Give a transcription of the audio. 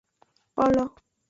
Golo.